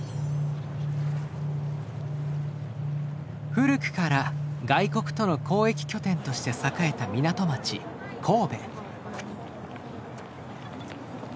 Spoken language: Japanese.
古くから外国との交易拠点として栄えた港町神戸。